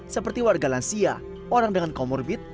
seperti warga lansia orang dengan comorbid